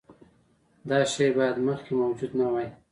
دا شی باید مخکې موجود نه وي.